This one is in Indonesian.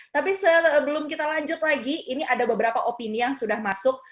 tapi sebelum kita lanjut lagi ini ada beberapa opini yang sudah masuk